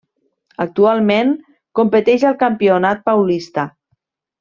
Actualment competeix a Campionat Paulista.